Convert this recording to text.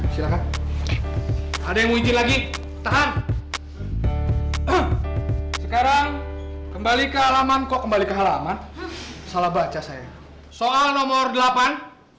silahkan ada yang muji lagi tahan sekarang kembali ke alaman kok kembali ke halaman salah baca saya soal nomor delapan